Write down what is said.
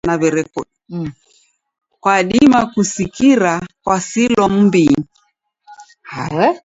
Kwadima kusikira kwasilwa m'mbinyi.